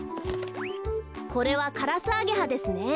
これはカラスアゲハですね。